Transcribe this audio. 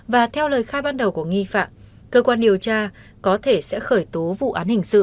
và theo lời khai ban đầu của nghi phạm cơ quan điều tra có thể sẽ khởi tố vụ án hình sự